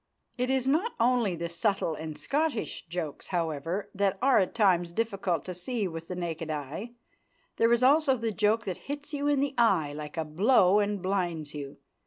It is not only the subtle and Scottish jokes, however, that are at times difficult to see with the naked eye. There is also the joke that hits you in the eye like a blow and blinds you.